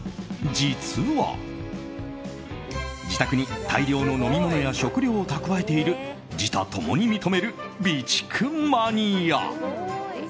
実は自宅に、大量の飲み物や食糧を蓄えている自他共に認める備蓄マニア。